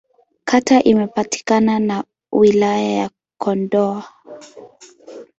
Kata imepakana na Wilaya ya Kondoa.